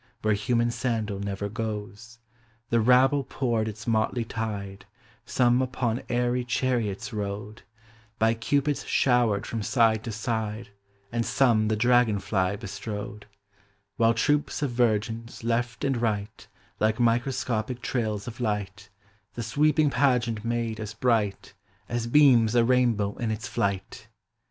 Where human sandal never goes. The rabble poured its motley tide: Some upon airy chariots rode, tty cupids showered from side to side, And some the dragon lly bestrode; While troops of virgins, left, and right, Like microscopic trails of light, The sweeping pageant made as bright As beams a rainbow in its llight!